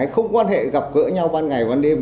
không quan hệ gặp gỡ nhau ban ngày ban đêm